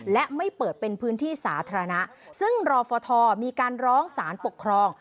และไม่เปิดเป็นพื้นที่สาธารณะซึ่งรอฟทมีการร้องสารปกครอง